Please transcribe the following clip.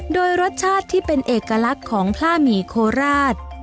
โดยรสชาติที่เป็นเอกลักษณ์ของพล่าหมี่โคราช